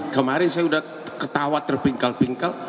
kemarin saya sudah ketawa terpingkal pingkal